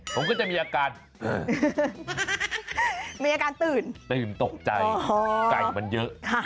ผมก็จะมีอาการมีอาการตื่นตื่นตกใจไก่มันเยอะ